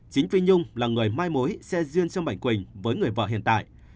chính phi nhung là người mai mối xe duyên cho mạnh quỳnh với người vợ hiện tại